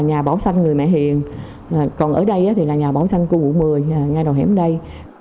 nhà bảo sanh người mẹ hiền còn ở đây thì là nhà bảo sanh cô ngụ một mươi ngay đầu hẻm đây